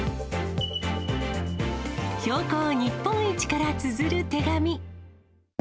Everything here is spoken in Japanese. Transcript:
標高日本一からつづる手紙。